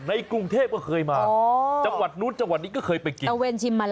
ในกรุงเทพก็เคยมาจังหวัดนู้นจังหวัดนี้ก็เคยไปกิน